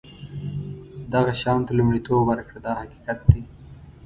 دغه شیانو ته لومړیتوب ورکړه دا حقیقت دی.